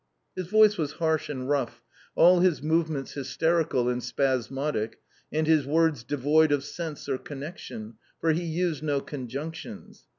His voice was harsh and rough, all his movements hysterical and spasmodic, and his words devoid of sense or connection (for he used no conjunctions).